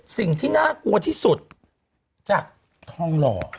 สิ่งที่น่ากลัวที่สุดจากทองหล่อ